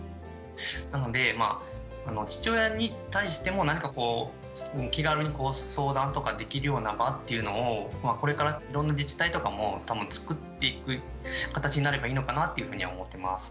なので父親に対しても何かこう気軽に相談とかできるような場っていうのをこれからいろんな自治体とかもつくっていく形になればいいのかなっていうふうには思ってます。